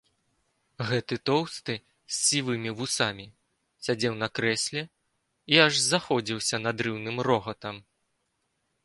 Гэты тоўсты, з сівымі вусамі сядзеў на крэсле і аж заходзіўся надрыўным рогатам.